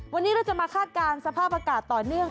วันนี้เราจะมาคาดการณ์สภาพอากาศต่อเนื่อง